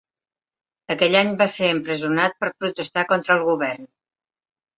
Aquell any va ser empresonat per protestar contra el govern.